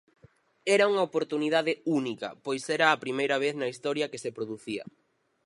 Era unha oportunidade única pois era a primeira vez na historia que se producía.